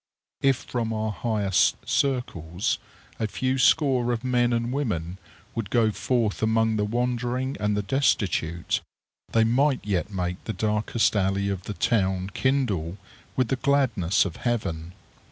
If from our highest circles a few score of men and women would go forth among the wandering and the destitute, they might yet make the darkest alley of the town kindle with the gladness of heaven.